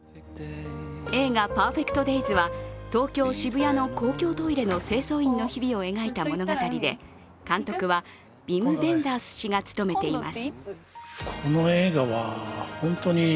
映画「ＰＥＲＦＥＣＴＤＡＹＳ」は東京・渋谷の公共トイレの清掃員の日々を描いた物語で監督は、ヴィム・ヴェンダース氏が務めています。